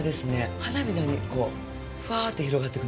花火のように、ふわっと広がっていく。